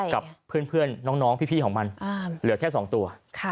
กับเพื่อนน้องพี่ของมันเหลือแค่๒ตัว